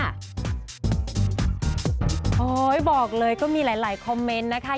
โอ้โหบอกเลยก็มีหลายคอมเมนต์นะคะ